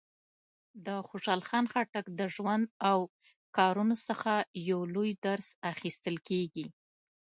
د خوشحال خان خټک د ژوند او کارونو څخه یو لوی درس اخیستل کېږي.